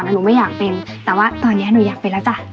แต่หนูไม่อยากเป็นแต่ว่าตอนนี้หนูอยากเป็นแล้วจ้ะ